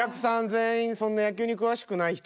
全員そんな野球に詳しくない人とかやもんな。